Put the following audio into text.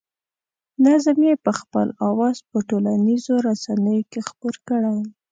نظم یې په خپل اواز په ټولنیزو رسنیو کې خپور کړی.